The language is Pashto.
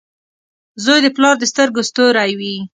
• زوی د پلار د سترګو ستوری وي.